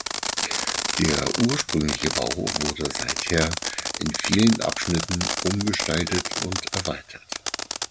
Der ursprüngliche Bau wurde seither in vielen Abschnitten umgestaltet und erweitert.